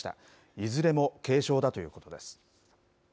いずれも軽傷だということです。